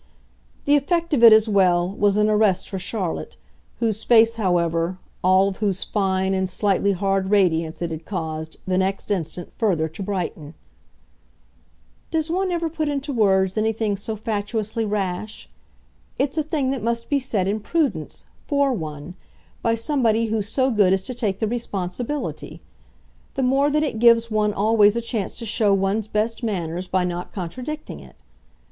The effect of it, as well, was an arrest for Charlotte; whose face, however, all of whose fine and slightly hard radiance, it had caused, the next instant, further to brighten. "Does one ever put into words anything so fatuously rash? It's a thing that must be said, in prudence, FOR one by somebody who's so good as to take the responsibility: the more that it gives one always a chance to show one's best manners by not contradicting it.